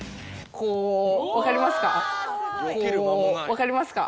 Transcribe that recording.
こう分かりますか？